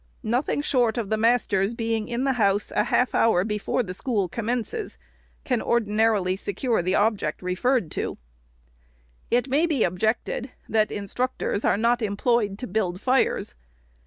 Nothing short of the master's being in the house a half hour before the school commences, can, ordinarily, secure the object referred to. It may be objected, that instructors are not employed to build fires.